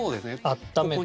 温めて。